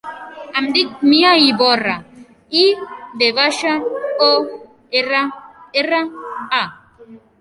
Em dic Mia Ivorra: i, ve baixa, o, erra, erra, a.